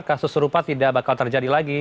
kasus serupa tidak bakal terjadi lagi